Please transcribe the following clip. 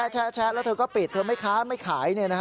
แชะแล้วเธอก็ปิดเธอไม่ค้าไม่ขาย